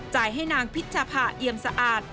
ให้นางพิชภาเอียมสะอาด